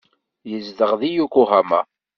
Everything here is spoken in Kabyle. Yezdeɣ deg Yokohama.